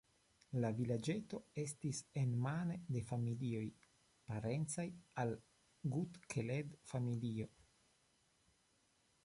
La vilaĝeto estis enmane de familioj, parencaj al Gut-Keled-familio.